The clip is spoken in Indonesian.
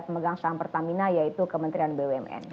pemegang saham pertamina yaitu kementerian bumn